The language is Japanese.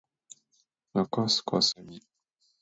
中須かすみ